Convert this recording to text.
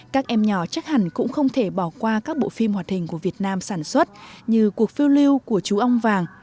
các em nhỏ chắc hẳn cũng không thể bỏ qua các bộ phim hoạt hình của việt nam sản xuất như cuộc phiêu lưu của chú ong vàng